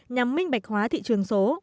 nhằm minh bạch hóa thị trường số